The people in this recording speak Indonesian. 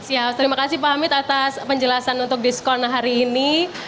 ya terima kasih pak hamid atas penjelasan untuk diskon hari ini